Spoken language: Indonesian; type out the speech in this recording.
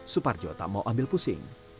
suparjo tak mau ambil pusing